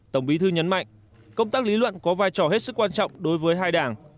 tổng bí thư nhấn mạnh công tác lý luận có vai trò hết sức quan trọng đối với hai đảng